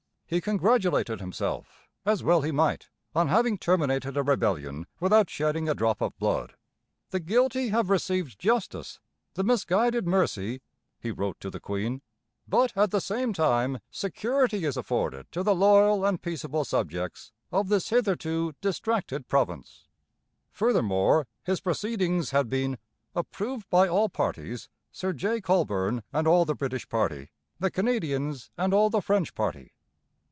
He congratulated himself, as well he might, on having terminated a rebellion without shedding a drop of blood. 'The guilty have received justice, the misguided, mercy,' he wrote to the Queen, 'but at the same time, security is afforded to the loyal and peaceable subjects of this hitherto distracted Province.' Furthermore, his proceedings had been 'approved by all parties Sir J. Colborne and all the British party, the Canadians and all the French party.'